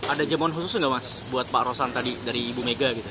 ada jamuan khusus nggak mas buat pak rosan tadi dari ibu mega gitu